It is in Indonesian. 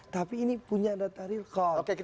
tapi ini punya data real call